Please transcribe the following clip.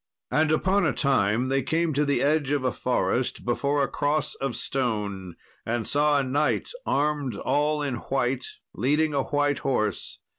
And upon a time they came to the edge of a forest, before a cross of stone, and saw a knight armed all in white, leading a white horse.